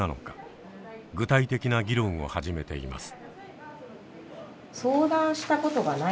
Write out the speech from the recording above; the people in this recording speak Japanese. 具体的な議論を始めています。